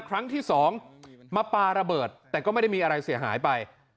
ครั้งที่สองมาปลาระเบิดแต่ก็ไม่ได้มีอะไรเสียหายไป